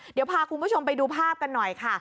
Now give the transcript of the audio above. เดี๋ยวพาคุณผู้ชมไปดูภาพกันหน่อยค่ะ